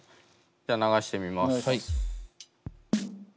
じゃあ流してみます。